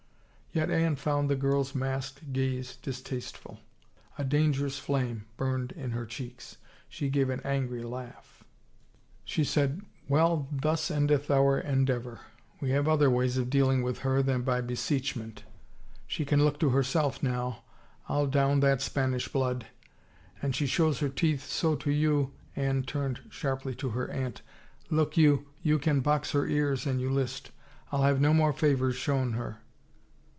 Yet Anne found the girl's masked gaze distaste ful. 287 THE FAVOR OF KINGS A dangerous flame burned in her cheeks. She gave an angry laugh. " She said — Well, thus endeth our endeavor. We have other ways of dealing with her than by beseech ment! She can look to herself now. Til down that Spanish blood I An she shows her teeth so to you," Anne turned sharply to her aunt, " look you, you can box her ears an you list. I'll have no more favors shown her."